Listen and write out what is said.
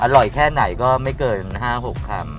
อร่อยแค่ไหนก็ไม่เกิน๕๖คำ